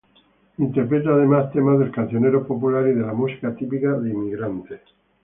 Interpreta además temas del cancionero popular y de la música típica de inmigrantes.